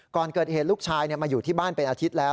ก่อนเกิดเหตุลูกชายมาอยู่ที่บ้านเป็นอาทิตย์แล้ว